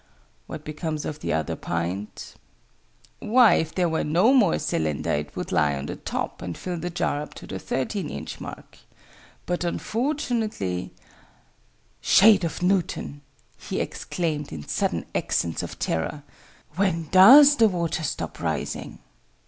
What becomes of the other pint? Why, if there were no more cylinder, it would lie on the top, and fill the jar up to the 13 inch mark. But unfortunately Shade of Newton!" he exclaimed, in sudden accents of terror. "When does the water stop rising?"